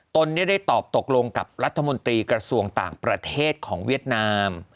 ตนได้ตอบตกลงกับรัฐมนตรีกระทรวงต่างประเทศของเวียดนาม